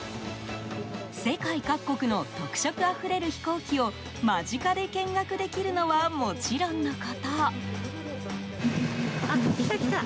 世界各国の特色あふれる飛行機を間近で見学できるのはもちろんのこと。